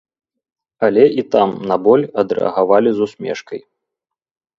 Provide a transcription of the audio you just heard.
Але і там на боль адрэагавалі з усмешкай.